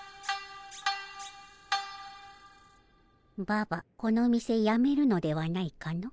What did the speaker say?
ババこの店やめるのではないかの？